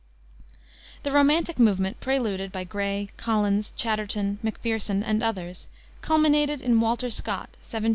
The romantic movement, preluded by Gray, Collins, Chatterton, Macpherson, and others, culminated in Walter Scott (1771 1832).